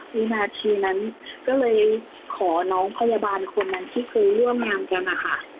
วินาทีนั้นก็เลยขอน้องพยาบาลคนนั้นที่เคยร่วมงานกันนะคะ